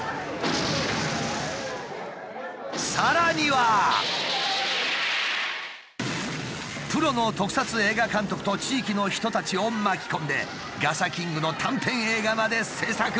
さらにはプロの特撮映画監督と地域の人たちを巻き込んで「ガサキング」の短編映画まで制作。